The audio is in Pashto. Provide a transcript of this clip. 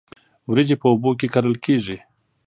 وریجې په اوبو کې کرل کیږي